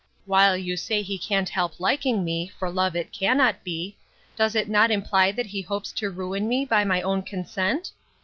—While you say he can't help liking me, for love it cannot be—Does it not imply that he hopes to ruin me by my own consent?